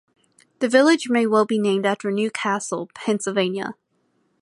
The village may well be named after New Castle, Pennsylvania.